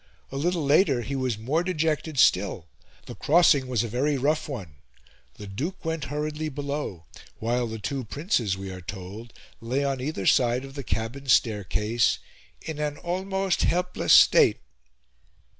A little later, he was more dejected still. The crossing was a very rough one; the Duke went hurriedly below; while the two Princes, we are told, lay on either side of the cabin staircase "in an almost helpless state."